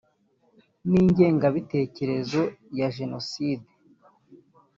n ingengabitekerezo ya jenoside